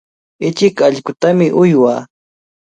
Ichik allqutami uywaa.